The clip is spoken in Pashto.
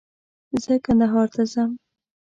زه کندهار ته ځم